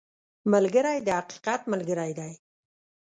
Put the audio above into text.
ملګری د حقیقت ملګری دی